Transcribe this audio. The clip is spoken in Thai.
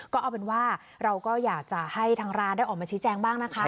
ก็เอาเป็นว่าเราก็อยากจะให้ทางร้านได้ออกมาชี้แจงบ้างนะคะ